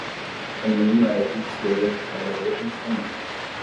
O menino era judicioso e trabalhador como sua mãe.